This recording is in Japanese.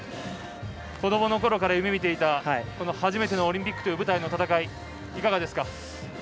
子どものころから夢みていたこの初めてのオリンピックという舞台の戦いいかがですか？